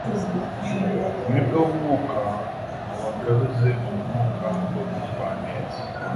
«Mwebwe ab'umwuka, mubagaruze umwuka w'ubugwaneza.»